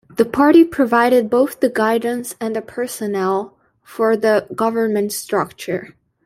The party provided both the guidance and the personnel for the government structure.